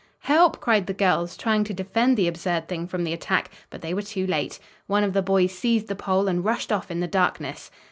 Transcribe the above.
"Help!" cried the girls, trying to defend the absurd thing from the attack, but they were too late. One of the boys seized the pole and rushed off in the darkness.